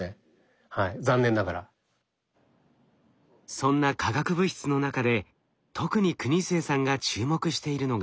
そんな化学物質の中で特に国末さんが注目しているのが。